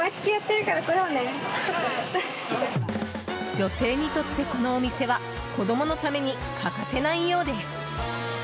女性にとって、このお店は子供のために欠かせないようです。